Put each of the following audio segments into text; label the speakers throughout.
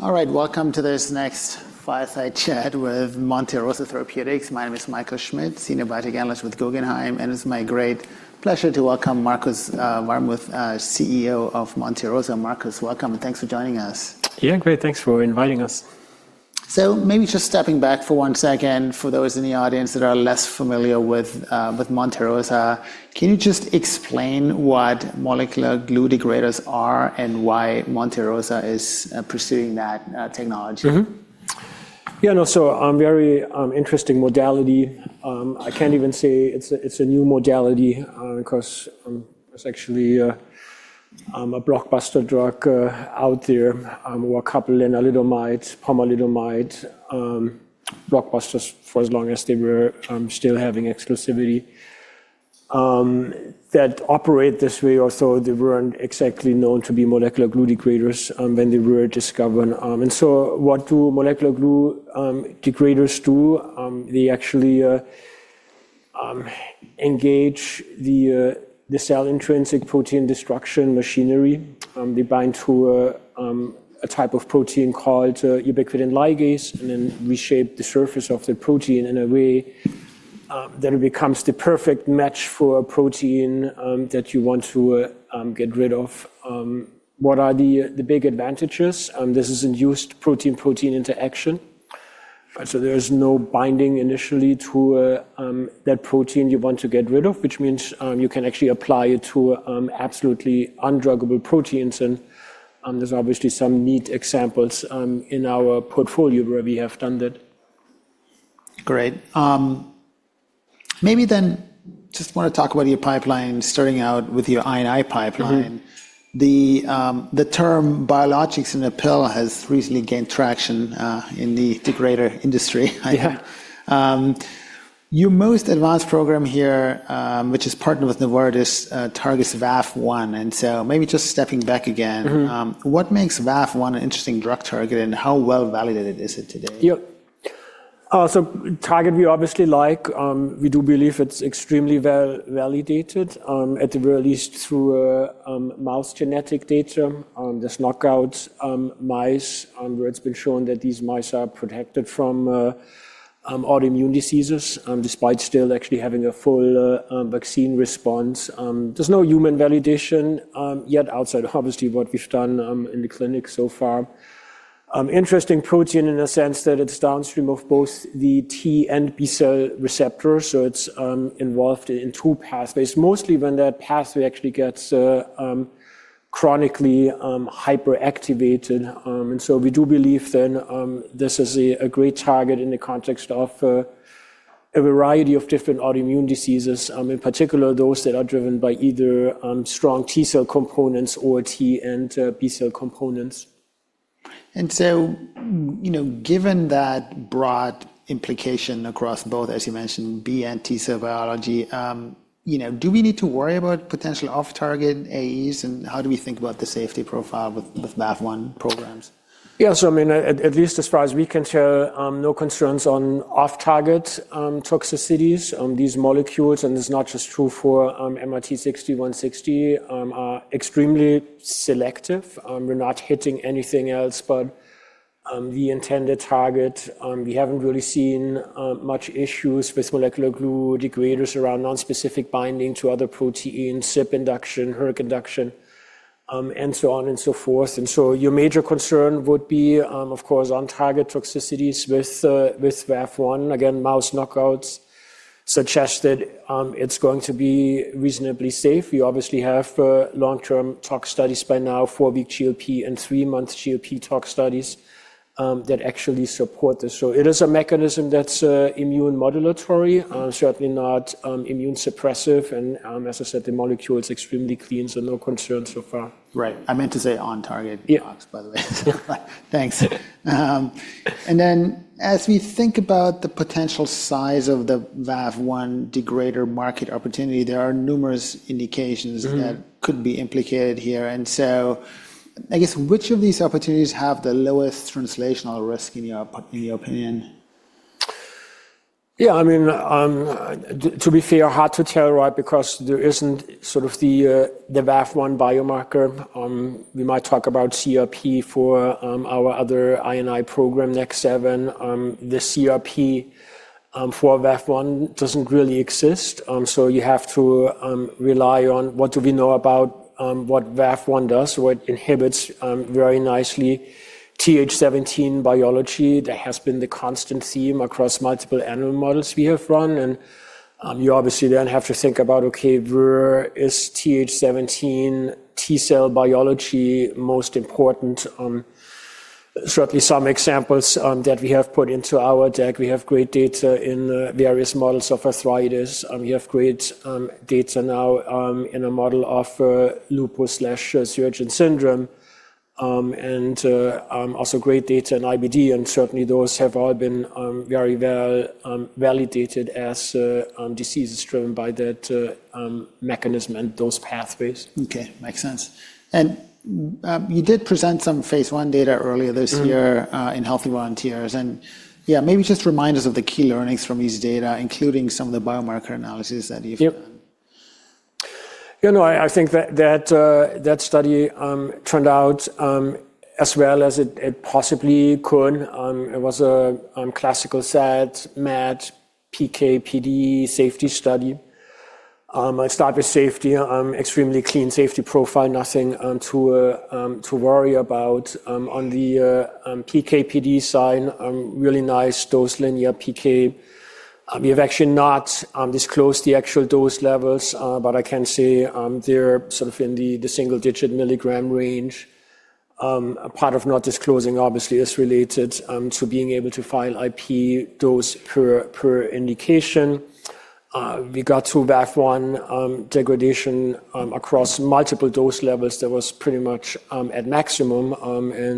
Speaker 1: All right, welcome to this next Fireside Chat with Monte Rosa Therapeutics. My name is Michael Schmidt, Senior Biotech Analyst with Guggenheim, and it's my great pleasure to welcome Marcus Warmuth, CEO of Monte Rosa. Marcus, welcome and thanks for joining us.
Speaker 2: Yeah, great, thanks for inviting us.
Speaker 1: Maybe just stepping back for one second for those in the audience that are less familiar with Monte Rosa, can you just explain what molecular glue degraders are and why Monte Rosa is pursuing that technology?
Speaker 2: Yeah, no, so a very interesting modality. I can't even say it's a new modality because it's actually a blockbuster drug out there, lenalidomide, pomalidomide, blockbusters for as long as they were still having exclusivity. That operate this way, although they weren't exactly known to be molecular glue degraders when they were discovered. What do molecular glue degraders do? They actually engage the Cell Intrinsic Protein Destruction Machinery. They bind to a type of protein called ubiquitin ligase and then reshape the surface of the protein in a way that it becomes the perfect match for a protein that you want to get rid of. What are the big advantages? This is induced protein-protein interaction. There is no binding initially to that protein you want to get rid of, which means you can actually apply it to absolutely undruggable proteins. There are obviously some neat examples in our portfolio where we have done that.
Speaker 1: Great. Maybe then just want to talk about your pipeline, starting out with your INI pipeline. The term biologics in a pill has recently gained traction in the Degrader Industry. Your most advanced program here, which is partnered with Novartis, targets VAV1. Maybe just stepping back again, what makes VAV1 an interesting drug target and how well validated is it today?
Speaker 2: Yeah. So target we obviously like. We do believe it's extremely well validated, at the very least through mouse genetic data. There's knockout mice where it's been shown that these mice are protected from Autoimmune diseases despite still actually having a Full Vaccine Response. There's no human validation yet outside of obviously what we've done in the clinic so far. Interesting protein in the sense that it's downstream of both the T and B cell receptors. It's involved in two pathways, mostly when that pathway actually gets Chronically Hyperactivated. We do believe then this is a great target in the context of a variety of different autoimmune diseases, in particular those that are driven by either strong T cell components or T and B cell components.
Speaker 1: Given that broad implication across both, as you mentioned, B and T cell biology, do we need to worry about potential off-target AEs and how do we think about the safety profile with VAV1 programs?
Speaker 2: Yeah, so I mean, at least as far as we can tell, no concerns on off-target toxicities on these molecules. And it's not just true for MRT-6160, extremely selective. We're not hitting anything else but the intended target. We haven't really seen much issues with molecular glue degraders around nonspecific binding to other proteins, CYP induction, HERC induction, and so on and so forth. Your major concern would be, of course, on-target toxicities with VAV1. Again, mouse knockouts suggested it's going to be reasonably safe. We obviously have long-term tox studies by now, four-week GLP and three-month GLP tox studies that actually support this. It is a mechanism that's immune modulatory, certainly not immune suppressive. As I said, the molecule is extremely clean, so no concerns so far.
Speaker 1: Right. I meant to say on-target tox by the way. Thanks. As we think about the potential size of the VAV1 degrader market opportunity, there are numerous indications that could be implicated here. I guess which of these opportunities have the lowest translational risk in your opinion?
Speaker 2: Yeah, I mean, to be fair, hard to tell right because there isn't sort of the VAV1 biomarker. We might talk about CRP for our other INI program, NEK7. The CRP for VAV1 doesn't really exist. You have to rely on what do we know about what VAV1 does, so it inhibits very nicely Th17 biology. That has been the constant theme across multiple animal models we have run. You obviously then have to think about, okay, where is Th17 T cell biology most important? Certainly some examples that we have put into our deck. We have great data in various models of Arthritis. We have great data now in a model of Lupus/Sjögren's syndrome and also great data in IBD. Certainly those have all been very well validated as diseases driven by that mechanism and those pathways.
Speaker 1: Okay, makes sense. You did present some phase I data earlier this year in healthy volunteers. Yeah, maybe just remind us of the key learnings from these data, including some of the Biomarker Analysis that you've done.
Speaker 2: Yeah, no, I think that that study turned out as well as it possibly could. It was a classical set met PKPD Safety Study. I start with safety, extremely clean safety profile, nothing to worry about. On the PKPD side, really nice dose linear PK. We have actually not disclosed the actual dose levels, but I can say they're sort of in the single-digit milligram range. Part of not disclosing obviously is related to being able to file IP dose per indication. We got to VAV1 degradation across multiple dose levels that was pretty much at maximum.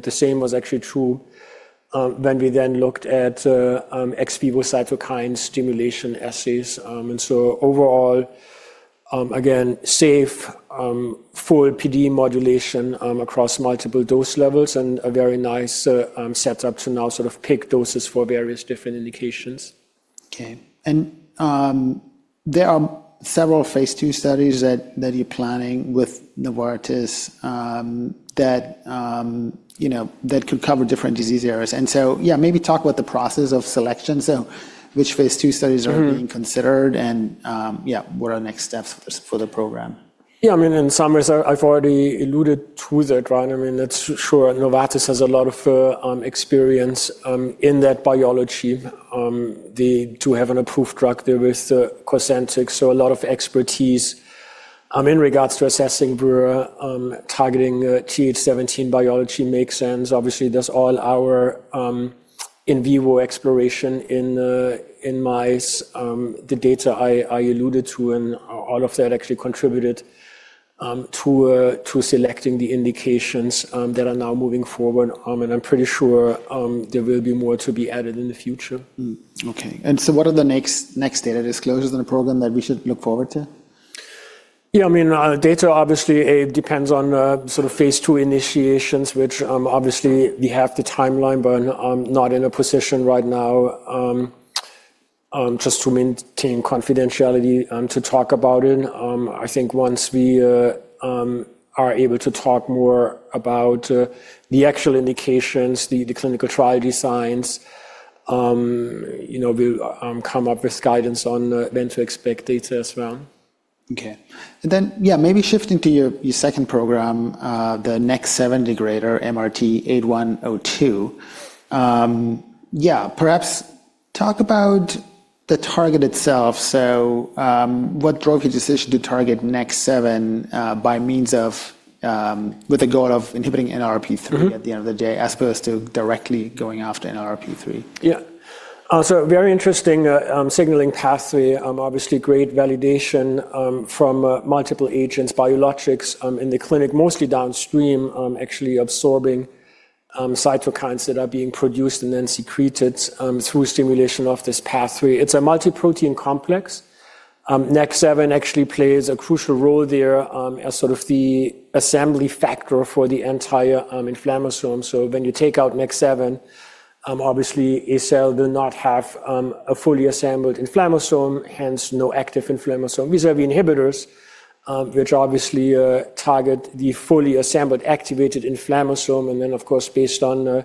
Speaker 2: The same was actually true when we then looked at Ex Vivo Cytokine Stimulation Assays. Overall, again, safe full PD modulation across multiple dose levels and a very nice setup to now sort of pick doses for various different indications.
Speaker 1: Okay. There are several phase two studies that you're planning with Novartis that could cover different disease areas. Yeah, maybe talk about the process of selection. Which phase two studies are being considered and yeah, what are next steps for the program?
Speaker 2: Yeah, I mean, in some ways I've already alluded to that, right? I mean, that's sure. Novartis has a lot of experience in that biology. They do have an approved drug there with Cosentyx, so a lot of expertise in regards to assessing targeting Th17 biology makes sense. Obviously, there's all our in Vivo Exploration in mice. The data I alluded to and all of that actually contributed to selecting the indications that are now moving forward. I mean, I'm pretty sure there will be more to be added in the future.
Speaker 1: Okay. What are the next data disclosures in the program that we should look forward to?
Speaker 2: Yeah, I mean, data obviously depends on sort of phase two initiations, which obviously we have the timeline, but I'm not in a position right now just to maintain confidentiality to talk about it. I think once we are able to talk more about the actual indications, the clinical trial designs, we'll come up with guidance on when to expect data as well.
Speaker 1: Okay. And then yeah, maybe shifting to your 2nd program, the NEK7 degrader, MRT-8102. Yeah, perhaps talk about the target itself. So what drove your decision to target NEK7 by means of with the goal of inhibiting NLRP3 at the end of the day as opposed to directly going after NLRP3?
Speaker 2: Yeah. So very interesting signaling pathway, obviously great validation from multiple agents, biologics in the clinic, mostly downstream actually absorbing Cytokines that are being produced and then secreted through stimulation of this pathway. It's a multi-protein complex. NEK7 actually plays a crucial role there as sort of the assembly factor for the entire inflammasome. When you take out NEK7, obviously a cell will not have a fully assembled inflammasome, hence no active inflammasome. These are the inhibitors which obviously target the fully assembled activated inflammasome. Of course, based on the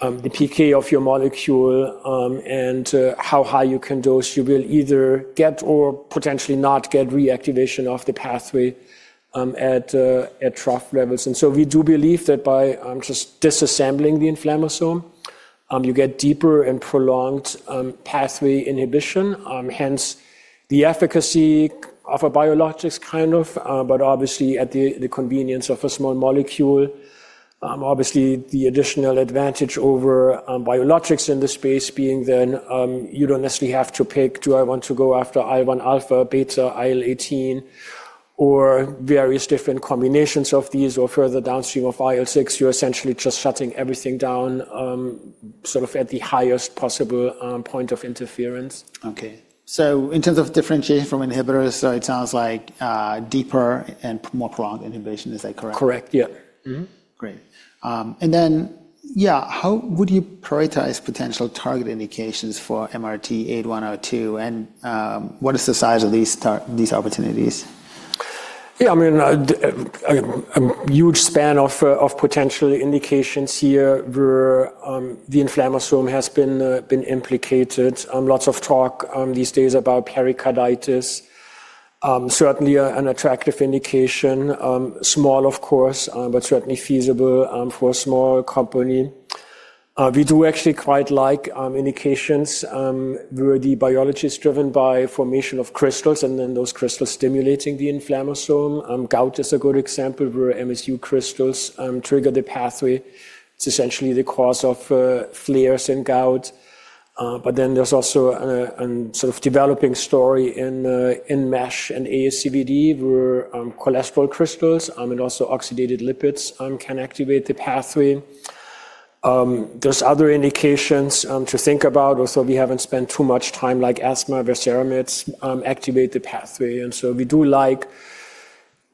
Speaker 2: PK of your molecule and how high you can dose, you will either get or potentially not get reactivation of the pathway at trough levels. We do believe that by just disassembling the inflammasome, you get deeper and prolonged pathway inhibition, hence the efficacy of a biologics kind of, but obviously at the convenience of a small molecule. Obviously, the additional advantage over biologics in this space being then you do not necessarily have to pick, do I want to go after IL-1 alpha, beta, IL-18, or various different combinations of these or further downstream of IL-6? You are essentially just shutting everything down sort of at the highest possible point of interference.
Speaker 1: Okay. So in terms of differentiation from inhibitors, so it sounds like deeper and more prolonged inhibition, is that correct?
Speaker 2: Correct, yeah.
Speaker 1: Great. Yeah, how would you prioritize potential target indications for MRT-8102 and what is the size of these opportunities?
Speaker 2: Yeah, I mean, a huge span of potential indications here where the inflammasome has been implicated. Lots of talk these days about pericarditis. Certainly an attractive indication, small of course, but certainly feasible for a small company. We do actually quite like indications where the biology is driven by formation of crystals and then those crystals stimulating the inflammasome. Gout is a good example where MSU crystals trigger the pathway. It's essentially the cause of flares in gout. There is also a sort of developing story in MESH and ASCVD where Cholesterol Crystals and also Oxidated Lipids can activate the pathway. There are other indications to think about. Also, we haven't spent too much time like Asthma versus Ceramides activate the pathway. We do like,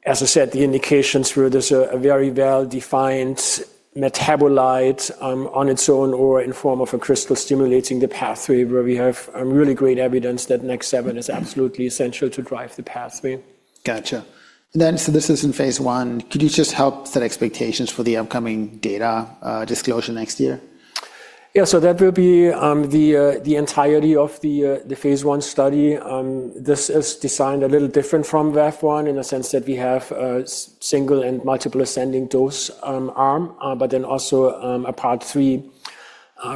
Speaker 2: as I said, the indications where there's a very well-defined Metabolite on its own or in form of a crystal stimulating the pathway where we have really great evidence that NEK7 is absolutely essential to drive the pathway.
Speaker 1: Gotcha. And then so this is in phase I. Could you just help set expectations for the upcoming data disclosure next year?
Speaker 2: Yeah, so that will be the entirety of the phase one study. This is designed a little different from VAV1 in the sense that we have a single and multiple ascending dose arm, but then also a part three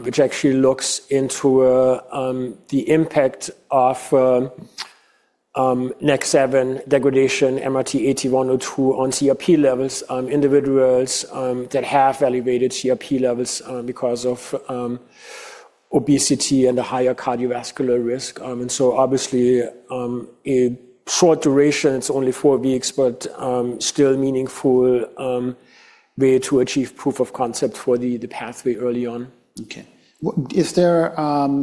Speaker 2: which actually looks into the impact of NEK7 degradation, MRT-8102 on CRP levels, individuals that have elevated CRP levels because of obesity and a higher Cardiovascular Risk. Obviously a short duration, it's only four weeks, but still meaningful way to achieve proof of concept for the pathway early on.
Speaker 1: Okay. Is there,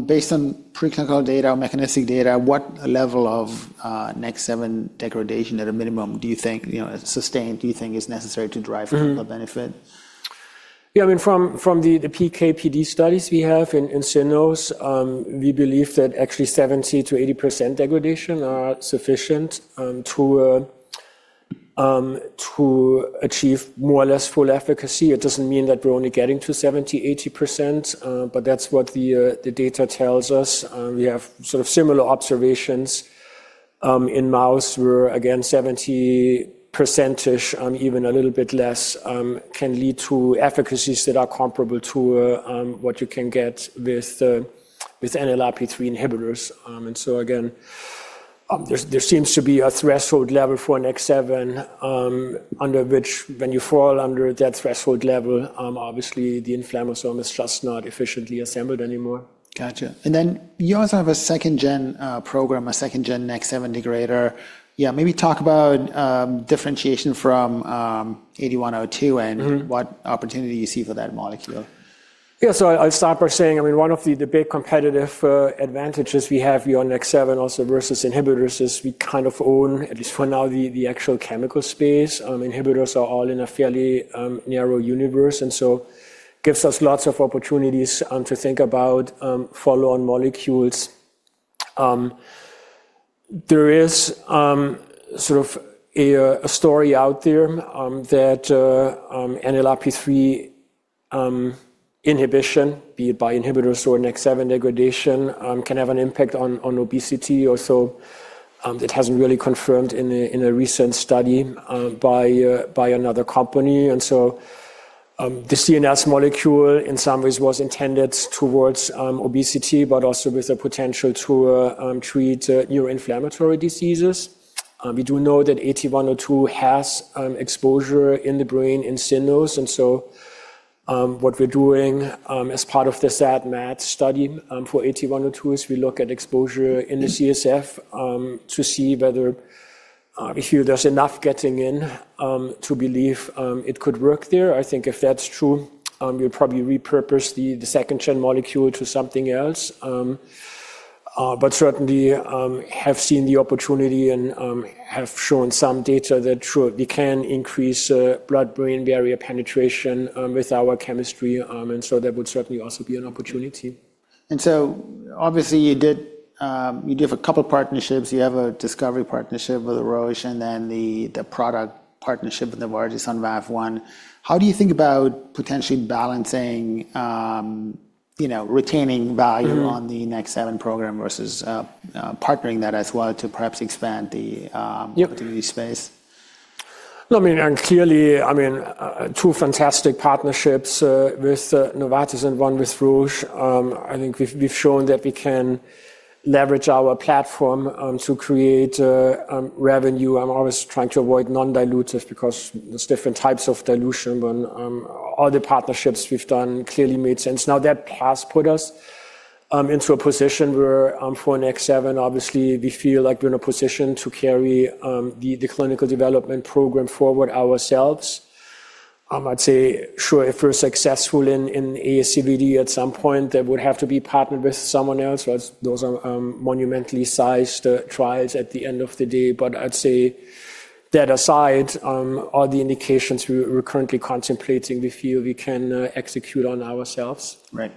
Speaker 1: based on preclinical data or mechanistic data, what level of NEK7 degradation at a minimum do you think sustained do you think is necessary to drive clinical benefit?
Speaker 2: Yeah, I mean, from the PKPD studies we have in CNOs, we believe that actually 70-80% degradation are sufficient to achieve more or less full efficacy. It doesn't mean that we're only getting to 70-80%, but that's what the data tells us. We have sort of similar observations in mouse where again, 70%, even a little bit less can lead to efficacies that are comparable to what you can get with NLRP3 inhibitors. There seems to be a threshold level for NEK7 under which when you fall under that threshold level, obviously the inflammasome is just not efficiently assembled anymore.
Speaker 1: Gotcha. You also have a second-gen program, a 2nd-gen NEK7 Degrader. Yeah, maybe talk about differentiation from 8102 and what opportunity you see for that molecule.
Speaker 2: Yeah, so I'll start by saying, I mean, one of the big competitive advantages we have here on NEK7 also versus inhibitors is we kind of own at least for now the actual chemical space. Inhibitors are all in a fairly narrow universe and so gives us lots of opportunities to think about follow-on molecules. There is sort of a story out there that NLRP3 inhibition, be it by inhibitors or NEK7 degradation, can have an impact on obesity. Also, it hasn't really confirmed in a recent study by another company. The CNS molecule in some ways was intended towards obesity, but also with a potential to treat neuroinflammatory diseases. We do know that 8102 has exposure in the brain in CNS. What we are doing as part of the SAT-MAT study for 8102 is we look at exposure in the CSF to see whether we feel there is enough getting in to believe it could work there. I think if that is true, we will probably repurpose the 2nd-gen molecule to something else. Certainly have seen the opportunity and have shown some data that show we can increase Blood-brain Barrier penetration with our chemistry. That would certainly also be an opportunity.
Speaker 1: You did have a couple of partnerships. You have a discovery partnership with Roche and then the product partnership with Novartis on VAV1. How do you think about potentially balancing, retaining value on the NEK7 program versus partnering that as well to perhaps expand the opportunity space?
Speaker 2: No, I mean, and clearly, I mean, two fantastic partnerships with Novartis and one with Roche. I think we've shown that we can leverage our platform to create revenue. I'm always trying to avoid non-dilutive because there's different types of dilution, but all the partnerships we've done clearly made sense. Now that has put us into a position where for NEK7, obviously we feel like we're in a position to carry the clinical development program forward ourselves. I'd say sure, if we're successful in ASCVD at some point, that would have to be partnered with someone else. Those are monumentally sized trials at the end of the day. I'd say that aside, all the indications we're currently contemplating, we feel we can execute on ourselves.
Speaker 1: Right.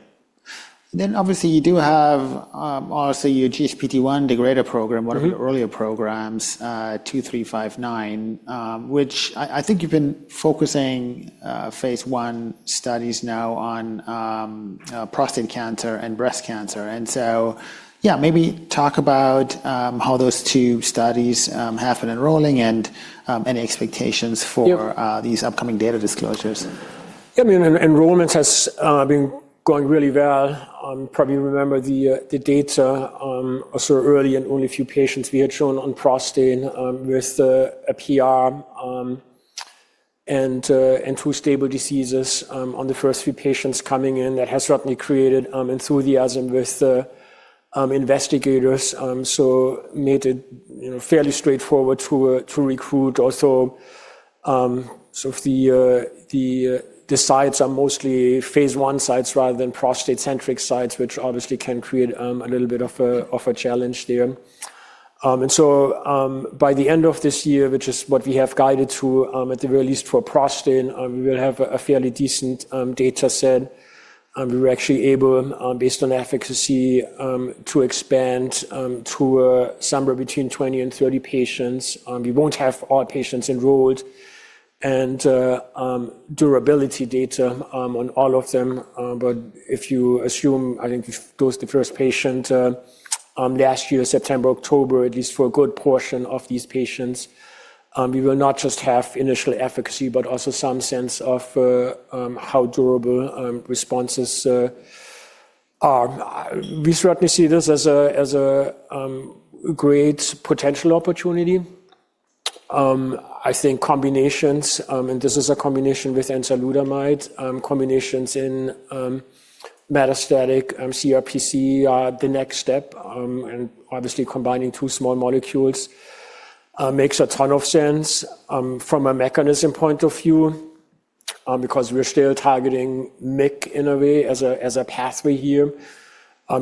Speaker 1: Then obviously you do have also your GSPT1 Degrader Program, one of your earlier programs, 2359, which I think you've been focusing phase one studies now on Prostate Cancer and Breast Cancer. Yeah, maybe talk about how those two studies have been enrolling and any expectations for these upcoming data disclosures.
Speaker 2: Yeah, I mean, enrollment has been going really well. Probably remember the data so early and only a few patients we had shown on prostate with a PR and two stable diseases on the 1st few patients coming in that has certainly created enthusiasm with investigators. Made it fairly straightforward to recruit. Also, the sites are mostly phase one sites rather than Prostate-centric sites, which obviously can create a little bit of a challenge there. By the end of this year, which is what we have guided to at the very least for prostate, we will have a fairly decent data set. We were actually able, based on efficacy, to expand to somewhere between 20 and 30 patients. We won't have all patients enrolled and durability data on all of them. If you assume, I think we've dosed the 1st patient last year, September, October, at least for a good portion of these patients, we will not just have initial efficacy, but also some sense of how durable responses are. We certainly see this as a great potential opportunity. I think combinations, and this is a combination with enzalutamide, combinations in Metastatic CRPC are the next step. Obviously combining two small molecules makes a ton of sense from a mechanism point of view because we're still targeting MYC in a way as a pathway here.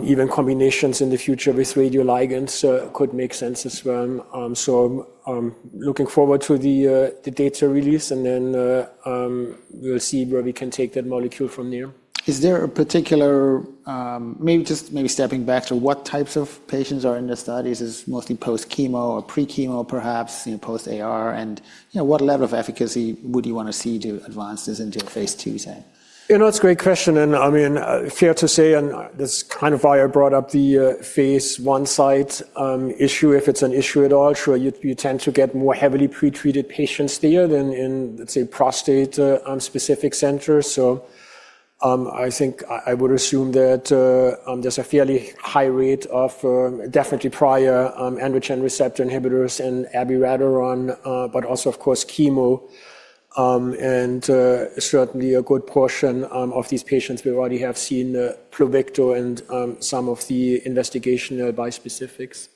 Speaker 2: Even combinations in the future with radioligands could make sense as well. Looking forward to the data release and then we'll see where we can take that molecule from there.
Speaker 1: Is there a particular, maybe just maybe stepping back to what types of patients are in the studies? Is it mostly post-chemo or Pre-chemo perhaps, Post-AR? What level of efficacy would you want to see to advance this into a phase two setting? You know, it's a great question. I mean, fair to say, and this is kind of why I brought up the phase one site issue, if it's an issue at all, sure you tend to get more heavily pretreated patients there than in, let's say, prostate-specific centers. I think I would assume that there's a fairly high rate of definitely prior Androgen Receptor Inhibitors and abiraterone, but also of course chemo. Certainly a good portion of these patients we already have seen the Pluvicto and some of the Investigational Bispecifics.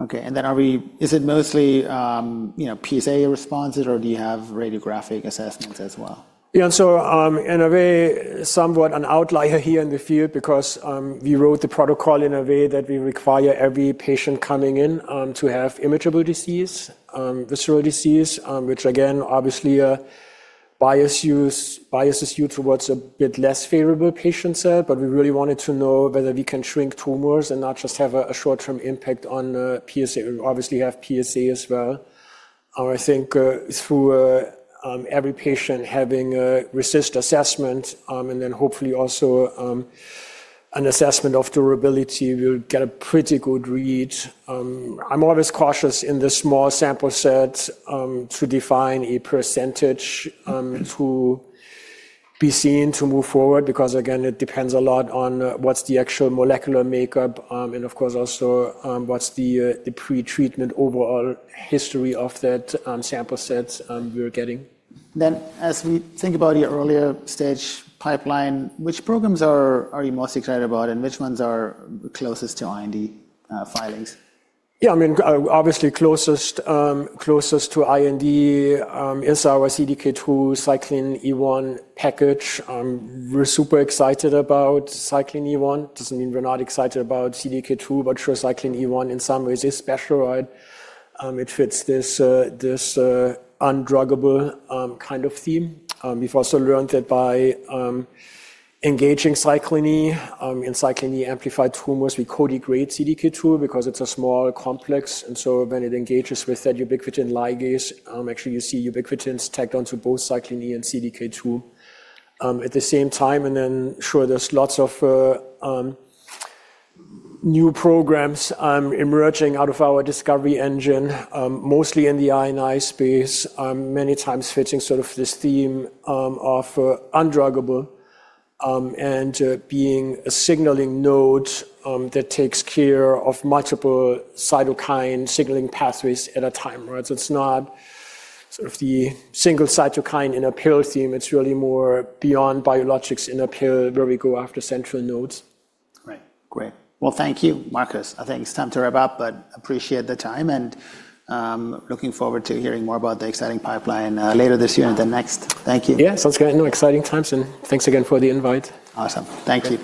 Speaker 1: Okay. Are we, is it mostly PSA responses or do you have Radiographic Assessments as well?
Speaker 2: Yeah, so in a way somewhat an outlier here in the field because we wrote the protocol in a way that we require every patient coming in to have Immutable Disease, Visceral Disease, which again obviously biases you towards a bit less favorable patient cell. We really wanted to know whether we can shrink tumors and not just have a short-term impact on PSA. We obviously have PSA as well. I think through every patient having a RECIST assessment and then hopefully also an assessment of durability, we'll get a pretty good read. I'm always cautious in the small sample set to define a percentage to be seen to move forward because again, it depends a lot on what's the actual molecular makeup and of course also what's the pretreatment overall history of that sample set we're getting.
Speaker 1: As we think about your earlier stage pipeline, which programs are you most excited about and which ones are closest to IND filings?
Speaker 2: Yeah, I mean, obviously closest to IND is our CDK2 Cyclin E1 package. We're super excited about Cyclin E1. Doesn't mean we're not excited about CDK2, but sure Cyclin E1 in some ways is special, right? It fits this undruggable kind of theme. We've also learned that by engaging Cyclin E in Cyclin E Amplified Tumors, we codegrade CDK2 because it's a small complex. When it engages with that ubiquitin ligase, actually you see ubiquitins tagged onto both Cyclin E and CDK2 at the same time. There are lots of new programs emerging out of our discovery engine, mostly in the INI space, many times fitting sort of this theme of undruggable and being a signaling node that takes care of multiple Cytokine signaling pathways at a time, right? It's not sort of the single Cytokine in a pill theme. It's really more beyond biologics in a pill where we go after Central Nodes.
Speaker 1: Right. Great. Thank you, Marcus. I think it's time to wrap up, but appreciate the time and looking forward to hearing more about the exciting pipeline later this year and the next. Thank you.
Speaker 2: Yeah, sounds great. No, exciting times. Thanks again for the invite.
Speaker 1: Awesome. Thank you.